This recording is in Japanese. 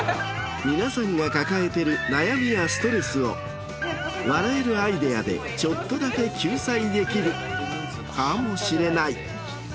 皆さんが抱えてる悩みやストレスを笑えるアイデアでちょっとだけ救済できるかもしれない。